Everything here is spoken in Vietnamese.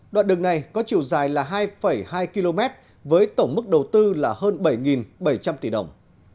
đoạn đường này có chiều dài là hai hai km với tổng mức đầu tư là hơn bảy bảy trăm linh tỷ đồng